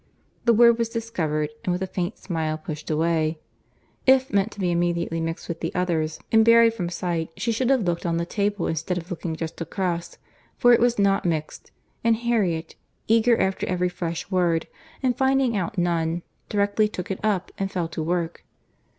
The word was discovered, and with a faint smile pushed away. If meant to be immediately mixed with the others, and buried from sight, she should have looked on the table instead of looking just across, for it was not mixed; and Harriet, eager after every fresh word, and finding out none, directly took it up, and fell to work.